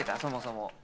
そもそも。